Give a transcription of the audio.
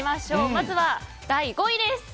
まずは、第５位です！